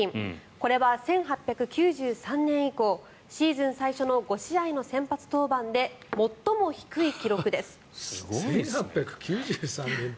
これは１８９３年以降シーズン最初の５試合の先発登板で１８９３年って。